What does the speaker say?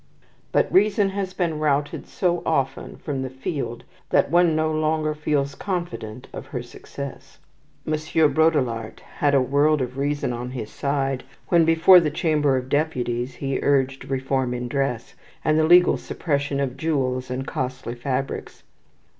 But reason has been routed so often from the field that one no longer feels confident of her success. M. Baudrillart had a world of reason on his side when, before the Chamber of Deputies, he urged reform in dress, and the legal suppression of jewels and costly fabrics.